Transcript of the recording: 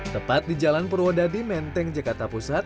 tepat di jalan perwoda di menteng jakarta pusat